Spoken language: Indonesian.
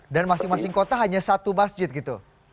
dan masing masing kota hanya satu masjid gitu